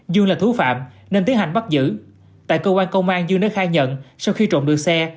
dương là thú phạm nên tiến hành bắt giữ tại cơ quan công an dương đã khai nhận sau khi trộm được xe